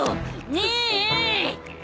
ねえ！